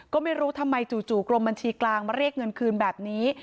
ก็ไม่รู้ทำไมจู่กรมบัญชีกลางมาเรียกเงินคืนแบบนี้